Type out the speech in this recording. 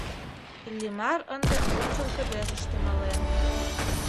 Иллимар ынде ончыл кыдежыште мален.